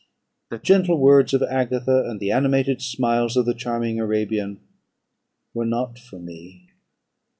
The gentle words of Agatha, and the animated smiles of the charming Arabian, were not for me.